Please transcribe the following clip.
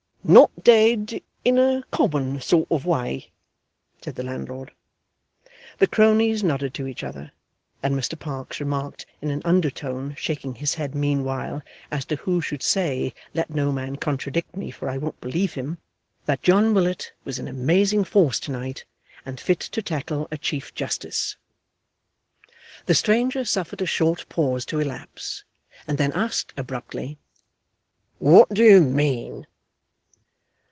'Not dead in a common sort of way,' said the landlord. The cronies nodded to each other, and Mr Parkes remarked in an undertone, shaking his head meanwhile as who should say, 'let no man contradict me, for I won't believe him,' that John Willet was in amazing force to night, and fit to tackle a Chief Justice. The stranger suffered a short pause to elapse, and then asked abruptly, 'What do you mean?